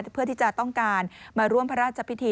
เพื่อที่จะต้องการมาร่วมพระราชพิธี